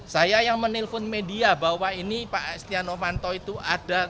saya yang menelpon media bahwa ini pak setia novanto itu ada